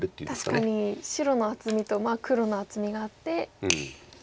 確かに白の厚みと黒の厚みがあって。